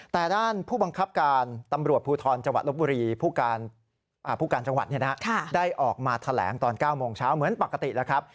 แต่ด้านผู้บังคับการตำรวจภูทรจังหวัดลบบุรีผู้การจังหวัดได้ออกมาแถลงตอน๙โมงเช้าเหมือนปกติแล้วครับ